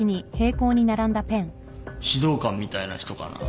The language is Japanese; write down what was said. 指導官みたいな人かな。